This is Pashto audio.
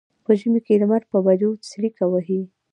په ژمي کې لمر په بجو څریکه وهي.